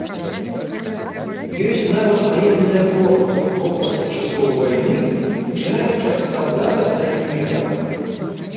Ёсць нават ваенная форма вопраткі часоў вайны, пачынаючы ад салдата да генерала.